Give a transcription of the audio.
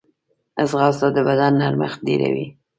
ځغاسته د بدن نرمښت ډېروي